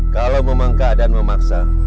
kalau memang keadaan memaksa